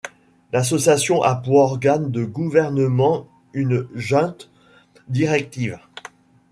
L'association a pour organe de gouvernement une junte directive.